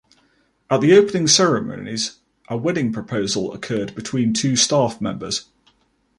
At the opening ceremonies a wedding proposal occurred between two staff members.